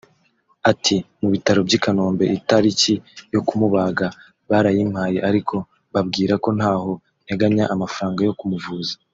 Ati “ Mu bitaro by’i Kanombe itariki yo kumubaga barayimpaye ariko mbabwira ko ntaho nteganya amafaranga yo kumuvuza